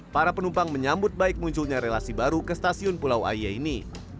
para penumpang menyambut baik munculnya relasi baru ke stasiun pulau aie ini